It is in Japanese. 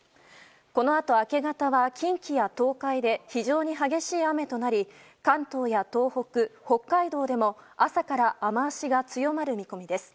このあと明け方は、近畿や東海で非常に激しい雨となり関東や東北、北海道でも朝から雨脚が強まる見込みです。